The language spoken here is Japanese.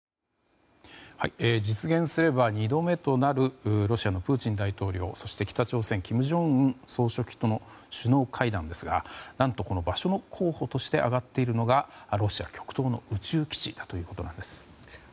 実現すれば２度目となるロシアのプーチン大統領そして、北朝鮮の金正恩総書記との首脳会談ですが何と、場所の候補として挙がっているのがロシア極東の宇宙基地だということです。